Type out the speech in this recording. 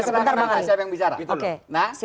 sebentar bang alin